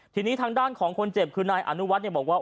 ทีนี้ทางด้านของคนเจ็บคือนายอนุวัฒน์บอกว่า